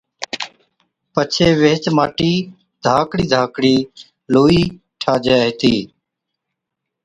پڇي ويهچ ماٽِي ڌاڪڙي ڌاڪڙي لوئِيئَي ٺاهجي هِتي